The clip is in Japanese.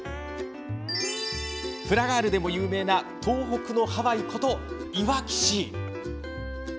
フラガールでも有名な東北のハワイこと、いわき市。